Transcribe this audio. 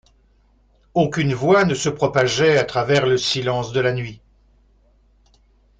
Aucune voix ne se propageait à travers le silence de la nuit.